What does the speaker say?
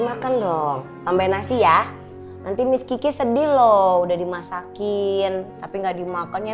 makan dong tambah nasi ya nanti miski sedih loh udah dimasakin tapi nggak dimakan ya